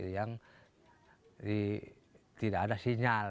yang tidak ada sinyal